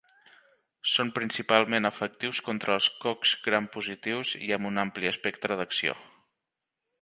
Són principalment efectius contra els cocs gram positius i amb un ampli espectre d'acció.